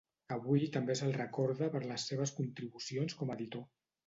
Avui també se'l recorda per les seves contribucions com a editor.